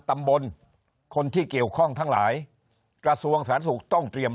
ตำบลคนที่เกี่ยวข้องทั้งหลายกระทรวงสาธารณสุขต้องเตรียม